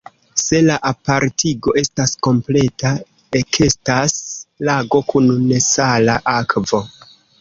Se la apartigo estas kompleta, ekestas lago kun nesala akvo.